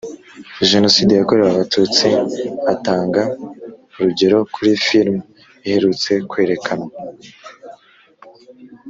Jenoside yakorewe Abatutsi atanga urugero kuri filimi iherutse kwerekanwa